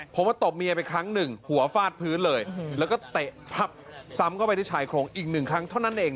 ผมว่าตบเมียไปครั้งหนึ่งหัวฟาดพื้นเลยแล้วก็เตะพับซ้ำเข้าไปที่ชายโครงอีกหนึ่งครั้งเท่านั้นเอง